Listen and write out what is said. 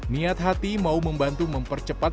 niat hati mau membantu mempercepat